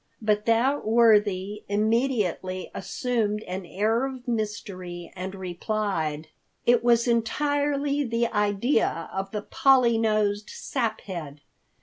But that worthy immediately assumed an air of mystery and replied, "It was entirely the idea of the Polly nosed Saphead.